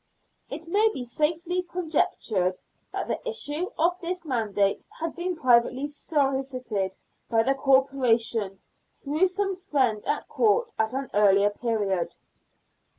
It may be safely conjectured that the issue of this mandate had been privately solicited by the Corporation through some friend at Court at an earlier period.